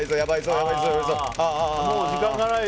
もう時間がないよ。